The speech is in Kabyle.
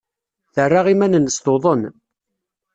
Terra iman-nnes tuḍen.